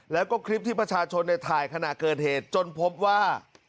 แล้วก็คลิปที่ประชาชนถ่ายขณะเกิดเหตุจนพบว่า